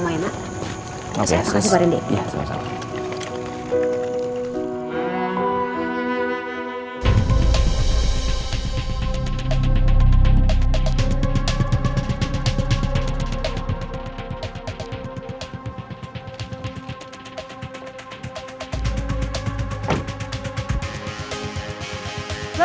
terima kasih rena